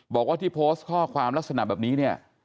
บอกว่าที่โพสต์ข้อความลักษณะแบบนี้เนี่ย